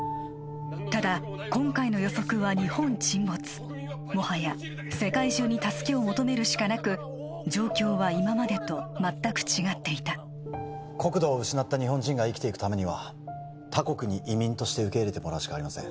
ただ今回の予測は日本沈没もはや世界中に助けを求めるしかなく状況は今までと全く違っていた国土を失った日本人が生きていくためには他国に移民として受け入れてもらうしかありません